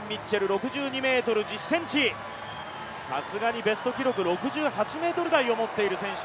６２ｍ１０ｃｍ、さすがにベスト記録６８ｍ台を持っている選手。